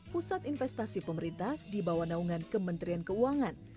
pusat investasi pemerintah di bawah naungan kementerian keuangan